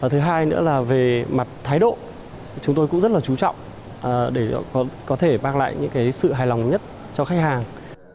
thứ hai nữa là về mặt thái độ chúng tôi cũng rất là chú trọng để có thể mang lại những sự hài lòng nhất cho khách hàng